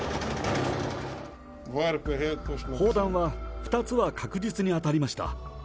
砲弾は２つは確実に当たりました。